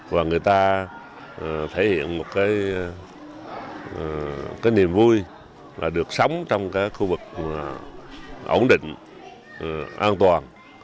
và người ta thể hiện một cái niềm vui là được sống trong cái khu vực ổn định an toàn